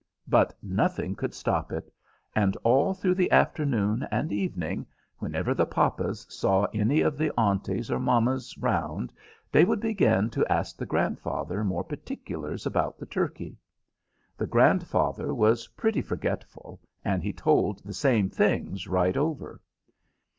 But nothing could stop it; and all through the afternoon and evening, whenever the papas saw any of the aunties or mammas round, they would begin to ask the grandfather more particulars about the turkey. The grandfather was pretty forgetful, and he told the same things right over.